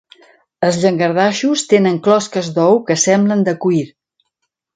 Els llangardaixos tenen closques d"ou que semblen de cuir.